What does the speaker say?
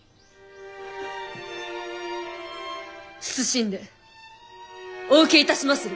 謹んでお受けいたしまする。